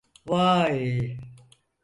Vaay!